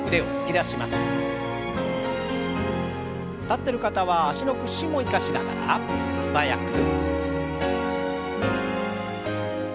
立ってる方は脚の屈伸も生かしながら素早く。